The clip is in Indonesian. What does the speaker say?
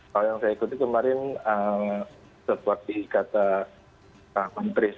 kalau yang saya ikuti kemarin saya juga mengikuti sekali untuk informasi vaksinasi dan juga covid di malaysia ini